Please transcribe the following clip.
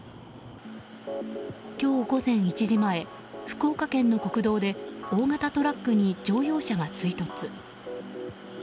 今日午前１時前福岡県の国道で大型トラックに乗用車が追突。